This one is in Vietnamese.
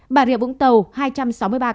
bà rịa vũng tàu hai trăm sáu mươi ba người